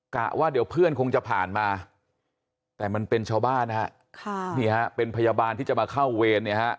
กะว่าเดี๋ยวเพื่อนคงจะผ่านมาแต่มันเป็นชาวบ้านนะครับเป็นพยาบาลที่จะมาเข้าเวร